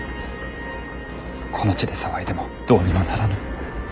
この地で騒いでもどうにもならぬ。